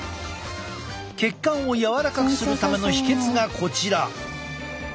血管を柔らかくするための秘けつがこちら。